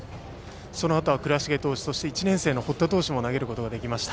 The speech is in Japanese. そのあとは倉重投手そして１年生の堀田投手も投げることができました。